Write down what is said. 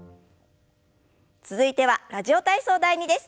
続いては「ラジオ体操第２」です。